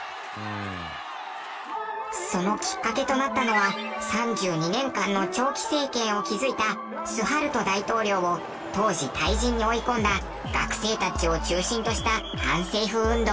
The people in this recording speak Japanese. そのきっかけとなったのは３２年間の長期政権を築いたスハルト大統領を当時退陣に追い込んだ学生たちを中心とした反政府運動。